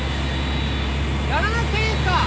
やらなくていいんすか？